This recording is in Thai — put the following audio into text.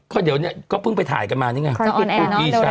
ก็เดี๋ยวเนี้ยก็เพิ่งไปถ่ายกันมานี่ไงจะน้ำแอร์นอ๋อเร็วเร็วนี้น่ะ